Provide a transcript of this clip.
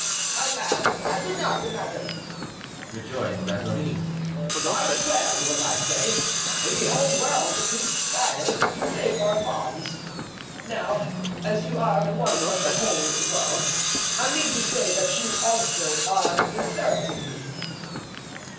"Alas! I do not, madame," rejoined Mazarin. "Mark well what I say. The whole world conspires to break our bonds. Now as you are one of the whole world, I mean to say that you also are deserting me."